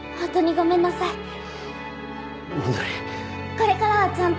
これからはちゃんと。